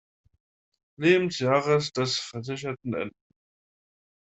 Lebensjahres des Versicherten enden.